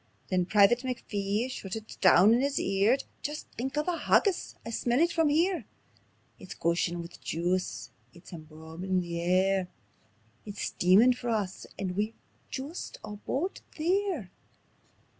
Then Private McPhee shoutit doon in his ear: "Jist think o' the haggis! I smell it from here. It's gushin' wi' juice, it's embaumin' the air; It's steamin' for us, and we're jist aboot there."